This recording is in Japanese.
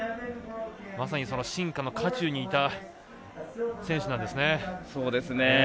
まさにその進化の渦中にいた選手なんですね。